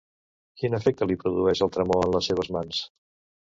Quin efecte li produeix el tremor en les seves mans?